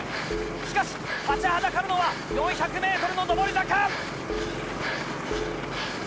しかし立ちはだかるのは４００ｍの上り坂。